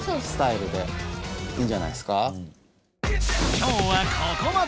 今日はここまで。